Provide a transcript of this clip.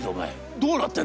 どうなってんだ！』。